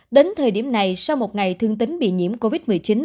đến thời điểm này sau một ngày thương tính bị nhiễm covid một mươi chín